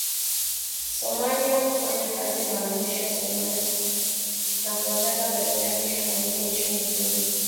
Somalia kufanya kazi na wanajeshi wa Somalia na kuwataka badala yake waingie nchini humo